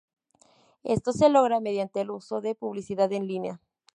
Esto se logra mediante el uso de publicidad en línea.